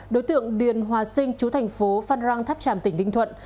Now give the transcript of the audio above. đối tượng điền hòa sinh chú thành phố phan rang tháp tràm tỉnh ninh thuận